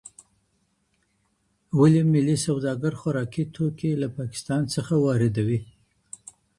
ولي ملي سوداګر خوراکي توکي له پاکستان څخه واردوي؟